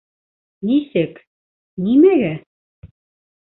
Нисек: нимәгә?